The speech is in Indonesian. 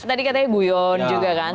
tadi katanya guyon juga kan